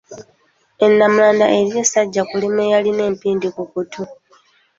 E Nnamulanda eriyo Ssajjakulima eyalina empindi ku kutu.